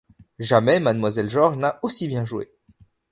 Jamais Mademoiselle George n'a aussi bien joué.